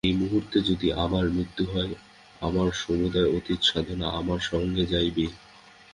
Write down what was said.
এই মুহূর্তে যদি আমার মৃত্যু হয়, আমার সমুদয় অতীত সাধনা আমার সঙ্গে যাইবে।